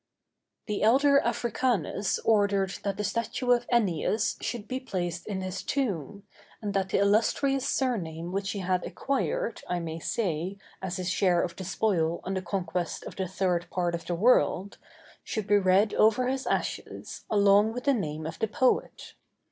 The elder Africanus ordered that the statue of Ennius should be placed in his tomb, and that the illustrious surname which he had acquired, I may say, as his share of the spoil on the conquest of the third part of the world, should be read over his ashes, along with the name of the poet.